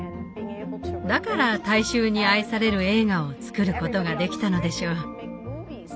だから大衆に愛される映画を作ることができたのでしょう。